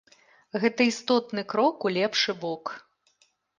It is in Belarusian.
Гэта істотны крок у лепшы бок.